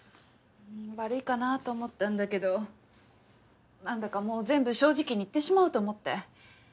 悪いかなと思ったんだけどなんだかもう全部正直に言ってしまおうと思って。